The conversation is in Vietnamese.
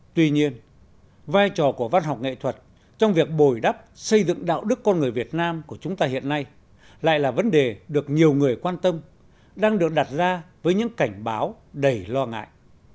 tuy nhiên vai trò của văn học nghệ thuật trong việc bồi đắp xây dựng đạo đức con người việt nam của chúng ta hiện nay lại là vấn đề được nhiều người quan tâm đang được đặt ra với những cảnh báo đầy lo ngại